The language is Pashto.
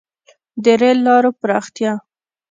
• د رېل لارو پراختیا.